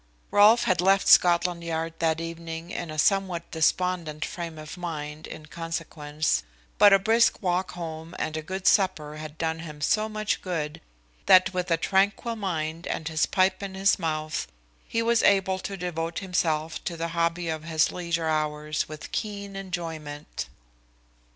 Rolfe had left Scotland Yard that evening in a somewhat despondent frame of mind in consequence, but a brisk walk home and a good supper had done him so much good, that with a tranquil mind and his pipe in his mouth, he was able to devote himself to the hobby of his leisure hours with keen enjoyment.